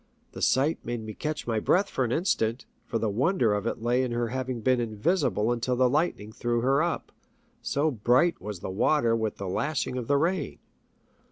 The sight made me catch my breath for an instant, for the wonder of it lay in her having been invisible until the lightning threw her up, so bright was the water with the lashing of the rain.